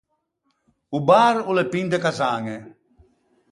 O bar o l’é pin de casañe.